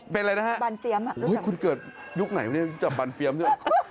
เป็นอะไรนะฮะบานเซียมคุณเกิดยุคไหนวันนี้จับบานเฟียมด้วย